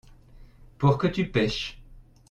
pour que tu pêches.